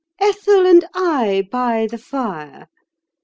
"'Ethel and I by the fire.